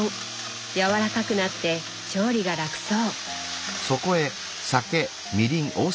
柔らかくなって調理が楽そう。